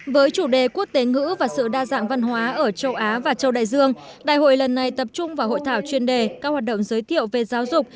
với chủ đề quốc tế ngữ và sự đa dạng văn hóa ở châu á và châu đại dương đại hội lần này tập trung vào hội thảo chuyên đề các hoạt động giới thiệu về giáo dục